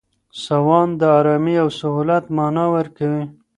سوان د آرامۍ او سهولت مانا ورکوي.